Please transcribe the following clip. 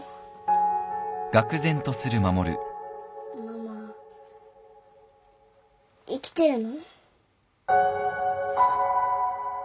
ママ生きてるの？